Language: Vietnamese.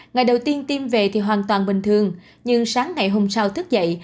ngày đầu tiên tiêm về thì hoàn toàn bình thường nhưng sáng ngày hôm sau thức dậy